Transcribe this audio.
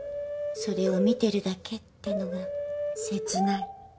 それを見てるだけってのが切ない。